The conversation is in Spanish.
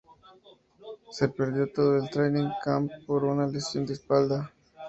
Se perdió todo el "training camp" por una lesión de espalda.